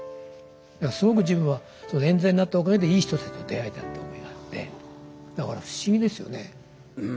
すごく自分はえん罪になったおかげでいい人たちと出会えたって思いがあってだから不思議ですよね。